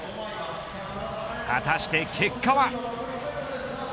果たして結果は。